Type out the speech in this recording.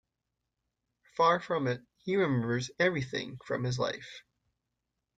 Far from it, he remembers everything from his life.